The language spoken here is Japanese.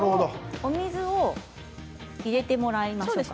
お水を入れてもらいましょう。